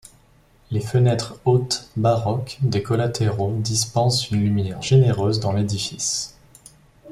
Les fenêtres hautes, baroques, des collatéraux dispensent une lumière généreuse dans l'édifice.